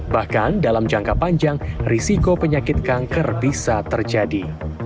bahkan dalam jangka panjang risiko penyakit kanker bisa terjadi